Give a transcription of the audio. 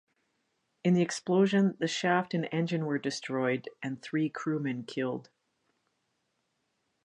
In the explosion the shaft and engine were destroyed and three crewmen killed.